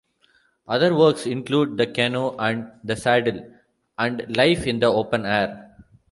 Other works include "The Canoe and the Saddle" and "Life in the Open Air".